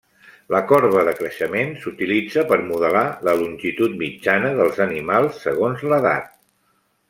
La corba de creixement s'utilitza per modelar la longitud mitjana dels animals segons l'edat.